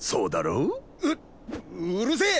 うっうるせえ！